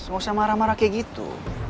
mau siapa marah marah kayak gitu